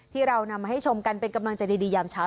ที่เรานำมาให้ชมกันเป็นกำลังใจดียามเช้า